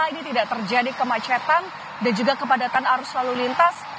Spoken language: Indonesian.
ini tidak terjadi kemacetan dan juga kepadatan arus lalu lintas